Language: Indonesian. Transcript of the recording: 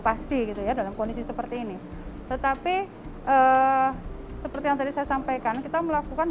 pasti gitu ya dalam kondisi seperti ini tetapi seperti yang tadi saya sampaikan kita melakukan